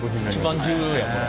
一番重要やこれ。